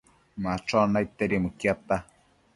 Machon naidtedi mëquiadta